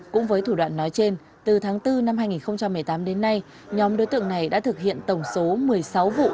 cũng với thủ đoạn nói trên từ tháng bốn năm hai nghìn một mươi tám đến nay nhóm đối tượng này đã thực hiện tổng số một mươi sáu vụ